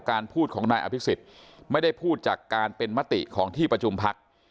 พูดของนายอภิษฎไม่ได้พูดจากการเป็นมติของที่ประชุมพัก